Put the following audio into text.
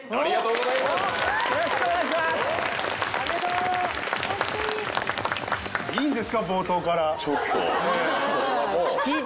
ありがとうございます！